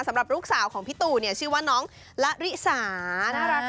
สำหรับลูกสาวของพี่ตู่เนี่ยชื่อว่าน้องละริสาน่ารัก